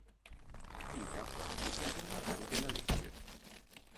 Pica fu tra i firmatari della legge.